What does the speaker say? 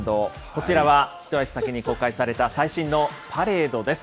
こちらは一足先に公開された最新のパレードです。